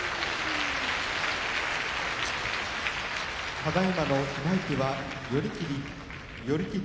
ただいまの決まり手は寄り切り。